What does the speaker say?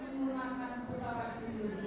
menggunakan pusat vaksin diri